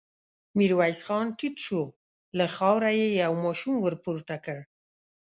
ميرويس خان ټيټ شو، له خاورو يې يو ماشوم ور پورته کړ.